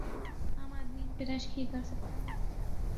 عام آدمی ان پہ رشک ہی کر سکتا ہے۔